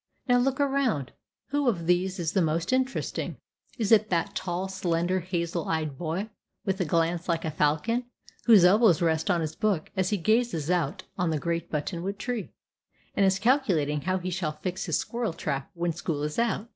Now look around. Who of these is the most interesting? Is it that tall, slender, hazel eyed boy, with a glance like a falcon, whose elbows rest on his book as he gazes out on the great buttonwood tree, and is calculating how he shall fix his squirrel trap when school is out?